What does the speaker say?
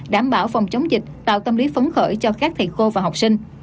đảm bảo phòng chống dịch tạo tâm lý phấn khởi cho các thầy cô và học sinh